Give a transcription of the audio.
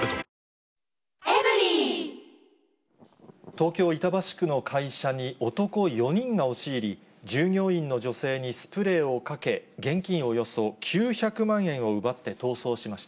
東京・板橋区の会社に、男４人が押し入り、従業員の女性にスプレーをかけ、現金およそ９００万円を奪って逃走しました。